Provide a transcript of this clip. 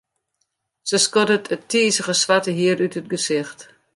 Se skoddet it tizige swarte hier út it gesicht.